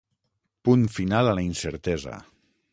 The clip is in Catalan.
Punt final a la incertesa.